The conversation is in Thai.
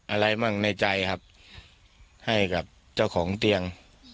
อะไรบ้างในใจครับให้กับเจ้าของเตียง